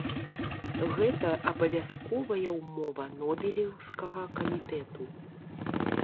Гэта абавязковая ўмова нобелеўскага камітэту.